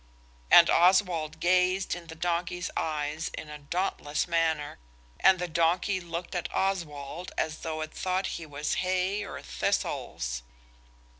And Oswald gazed in the donkey's eyes in a dauntless manner, and the donkey looked at Oswald as though it thought he was hay or thistles.